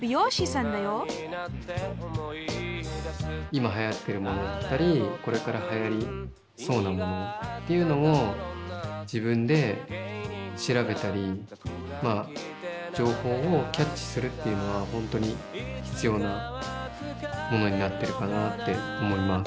今はやってるものだったりこれからはやりそうなものっていうのを自分で調べたりまあ情報をキャッチするっていうのは本当に必要なものになってるかなって思います。